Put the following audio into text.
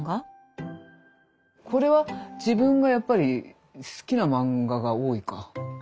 これは自分がやっぱり好きな漫画が多いか。